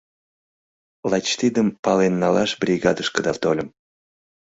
— Лач тидым пален налаш бригадышкыда тольым.